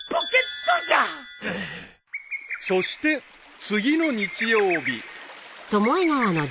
［そして次の日曜日］